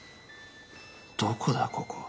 どこだここ。